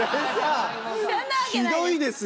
ひどいですよ